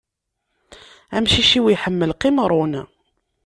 Amcic-iw iḥemmel qimṛun.